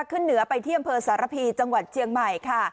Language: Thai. ขึ้นเหนือไปที่อำเภอสารพีจังหวัดเจียงใหม่ค่ะ